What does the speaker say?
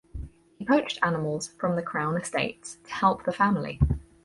He poached animals from the crown estates to help the family.